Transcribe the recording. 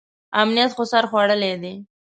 امنیت خو سر خوړلی دی.